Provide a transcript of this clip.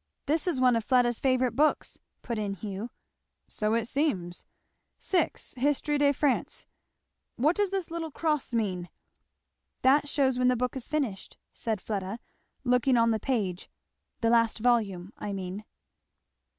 '" "That is one of Fleda's favourite books," put in Hugh. "So it seems. '6 Hist. de France.' What does this little cross mean?" "That shews when the book is finished," said Fleda, looking on the page, "the last volume, I mean."